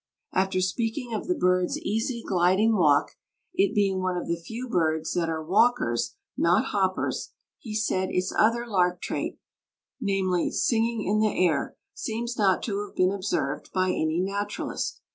After speaking of the bird's easy, gliding walk, it being one of the few birds that are walkers, not hoppers, he says its other lark trait, namely, singing in the air, seems not to have been observed by any naturalist.